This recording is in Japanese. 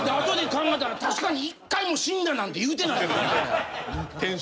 後で考えたら確かに一回も死んだなんて言うてない。